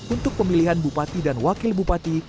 untuk pemilihan bupati dan wakil bupati